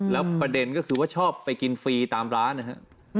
แล้วประเด็นก็คือว่าชอบไปกินฟรีตามร้านนะครับ